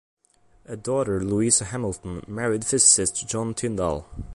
A daughter, Louisa Hamilton, married physicist John Tyndall.